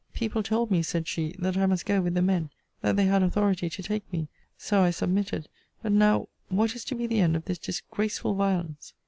People told me, said she, that I must go with the men: that they had authority to take me: so I submitted. But now, what is to be the end of this disgraceful violence?